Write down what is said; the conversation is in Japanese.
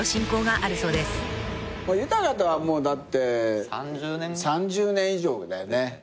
豊とはもうだって３０年以上だよね。